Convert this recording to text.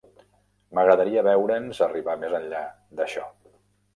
M'agradaria veure'ns arribar més enllà d'això.